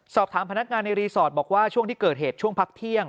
พนักงานในรีสอร์ทบอกว่าช่วงที่เกิดเหตุช่วงพักเที่ยง